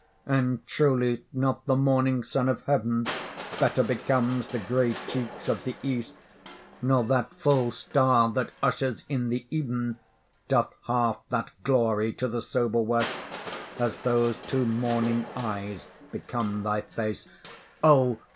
And truly not the morning sun of heaven Better becomes the grey cheeks of the east, Nor that full star that ushers in the even, Doth half that glory to the sober west, As those two mourning eyes become thy face: O!